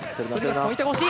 ポイントが欲しい。